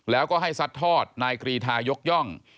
แล้วก็ให้ทรัฐนายกรีธายกย่อง